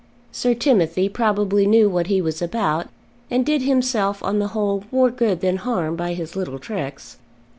Sir Timothy probably knew what he was about, and did himself on the whole more good than harm by his little tricks.